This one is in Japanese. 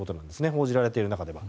報じられている中では。